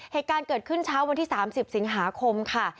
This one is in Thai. เหตุการณ์เกิดขึ้นเช้าวันที่๓๐สิงหาคมค่ะ